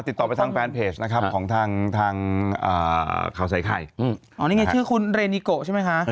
ติดต่อไปทางแฟนเพจนะครับของทางทางข่าวใส่ไข่อ๋อนี่ไงชื่อคุณเรนิโกใช่ไหมคะ